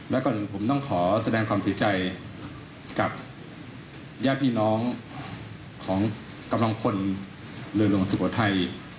และก่อนอื่นผมต้องขอแสดงความเสียใจกับญาติพี่น้องของกำลังพลเรือหลวงสุโขทัย